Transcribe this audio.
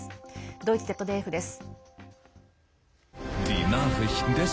ドイツＺＤＦです。